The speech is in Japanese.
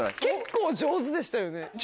結構上手でしたよね。